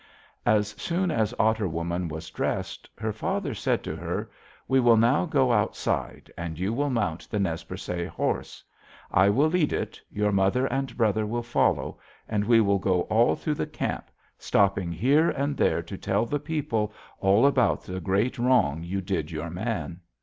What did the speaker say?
"As soon as Otter Woman was dressed, her father said to her: 'We will now go outside, and you will mount the Nez Percé horse. I will lead it, your mother and brother will follow, and we will go all through the camp, stopping here and there to tell the people all about the great wrong you did your man.'